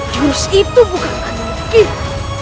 jurus itu bukan hanya kita